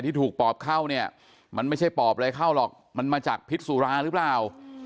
ที่ถูกปอบเข้าเนี่ยมันไม่ใช่ปอบอะไรเข้าหรอกมันมาจากพิษสุราหรือเปล่า